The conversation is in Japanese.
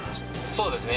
そうですね